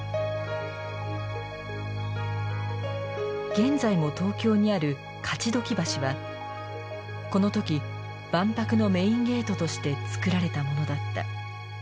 現在も東京にある勝鬨橋はこの時万博のメインゲートとして作られたものだった。